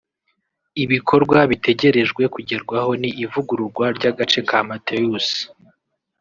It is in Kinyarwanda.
Ibikorwa bitegerejwe kugerwaho ni ivugururwa ry’agace ka Matheus